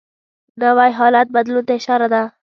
نوی حالت بدلون ته اشاره ده